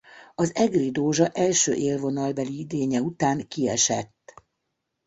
Az Egri Dózsa első élvonalbeli idénye után kiesett.